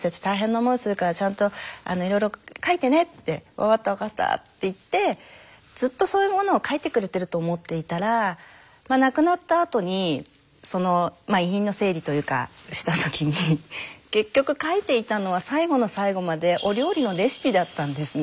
「分かった分かった」って言ってずっとそういうものを書いてくれてると思っていたら亡くなったあとにその遺品の整理というかした時に結局書いていたのは最後の最後までお料理のレシピだったんですね。